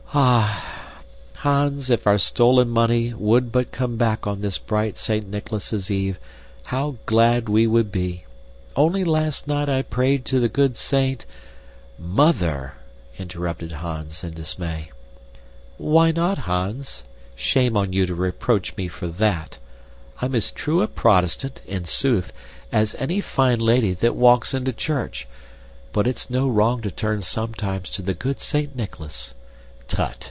Ah! Hans, if our stolen money would but come back on this bright Saint Nicholas's Eve, how glad we would be! Only last night I prayed to the good saint " "Mother!" interrupted Hans in dismay. "Why not, Hans? Shame on you to reproach me for that! I'm as true a Protestant, in sooth, as any fine lady that walks into church, but it's no wrong to turn sometimes to the good Saint Nicholas. Tut!